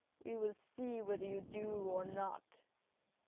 "We will see whether you do or not."